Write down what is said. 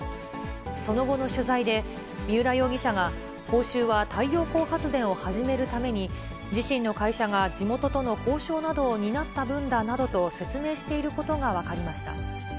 その後の取材で、三浦容疑者が報酬は太陽光発電を始めるために、自身の会社が地元との交渉などを担った分だなどと説明していることが分かりました。